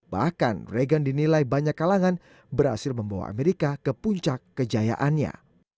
bahkan regan dinilai banyak kalangan berhasil membawa amerika ke puncak kejayaannya